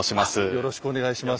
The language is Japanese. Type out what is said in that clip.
よろしくお願いします。